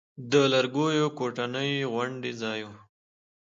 د لرګيو کوټنۍ غوندې ځاى و.